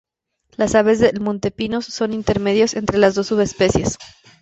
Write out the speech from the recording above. Las aves del monte Pinos son intermedias entre las dos subespecies.